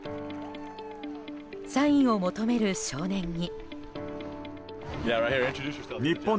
サインを求める少年に。